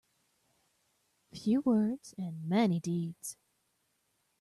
Few words and many deeds.